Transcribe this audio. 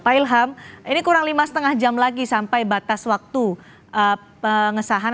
pak ilham ini kurang lima lima jam lagi sampai batas waktu pengesahan